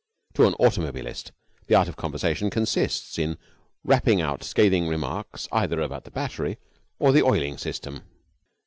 To an automobilist the art of conversation consists in rapping out scathing remarks either about the battery or the oiling system.